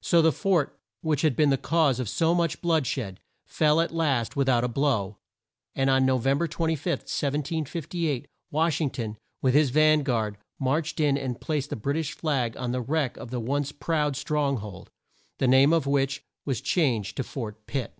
So the fort which had been the cause of so much blood shed, fell at last with out a blow, and on No vem ber 25, 1758, Wash ing ton, with his van guard, marched in and placed the Brit ish flag on the wreck of the once proud strong hold, the name of which was changed to Fort Pitt.